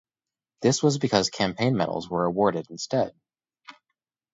This was because campaign medals were awarded instead.